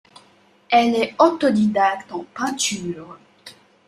Elle est autodidacte en peinture.